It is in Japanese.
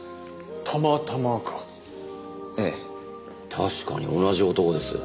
確かに同じ男です。